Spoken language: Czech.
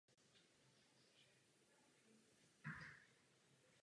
Muzeum má vlastní knihovnu s původními výtisky knih Komenského a literatury o něm.